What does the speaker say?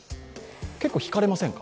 結構引かれませんか？